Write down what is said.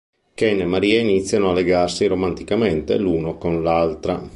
Kane e Maria iniziano a legarsi romanticamente l'uno con l'altra.